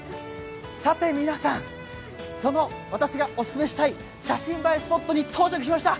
皆さん、その私がオススメしたい写真映えスポットに到着しました。